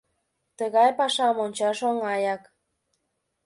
Тыгай пашам ончаш оҥаяк.